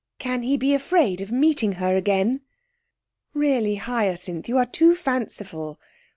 Can he be afraid of meeting her again?' 'Really, Hyacinth, you are fanciful!